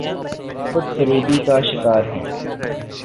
خود فریبی کا شکارہیں۔